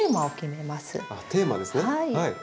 あっテーマですね。